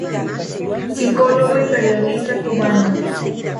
Psicólogo y periodista cubano.